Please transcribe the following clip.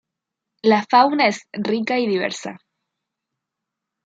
La fauna es rica y diversa.